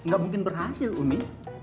gak mungkin berhasil umi